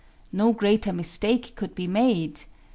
No greater mistake could be made.